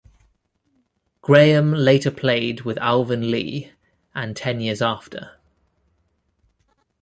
Graham later played with Alvin Lee and Ten Years After.